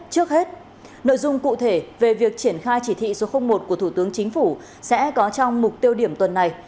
trước hết nội dung cụ thể về việc triển khai chỉ thị số một của thủ tướng chính phủ sẽ có trong mục tiêu điểm tuần này